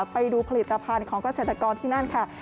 ไปดูผลิตภัณฑ์ของเกษตรกรที่นั่นค่ะ